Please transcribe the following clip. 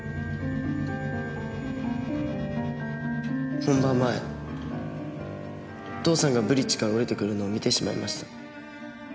本番前父さんがブリッジから下りてくるのを見てしまいました。